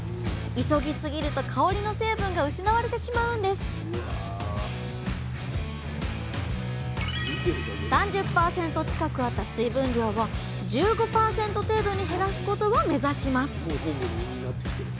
急ぎすぎると香りの成分が失われてしまうんです３０％近くあった水分量を１５％程度に減らすことを目指します。